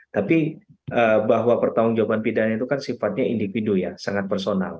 tapi bahwa pertanggung jawaban pidana itu kan sifatnya individu ya sangat personal